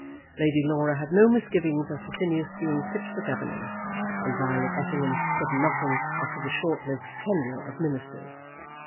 Lady Laura had no misgivings as to Phineas being fit for governing, and Violet Effingham said nothing as to the short lived tenure of ministers.